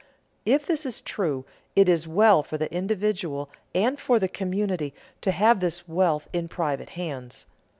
If this is true, it is well for the individual and for the community to have this wealth in private hands.